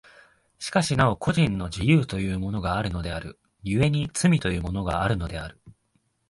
しかしなお個人の自由というものがあるのである、故に罪というものがあるのである。